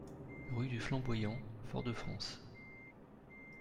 Rue du Flamboyant, Fort-de-France